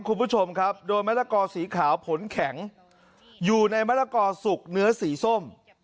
คุณผู้ชมครับโดยมะละกอสีขาวผลแข็งอยู่ในมะละกอสุกเนื้อสีส้ม